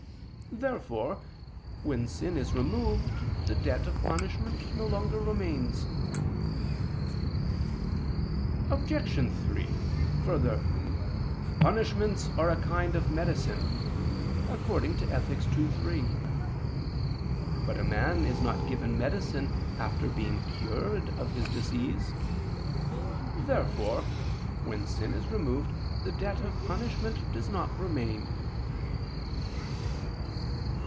Therefore, when sin is removed, the debt of punishment no longer remains. Obj. 3: Further, "Punishments are a kind of medicine" (Ethic. ii, 3). But a man is not given medicine after being cured of his disease. Therefore, when sin is removed the debt of punishment does not remain.